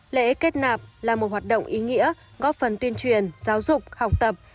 lễ kết nạp là một hoạt động ý nghĩa góp phần tuyên truyền giáo dục học tập